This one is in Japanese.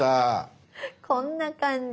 「こんな感じ！」。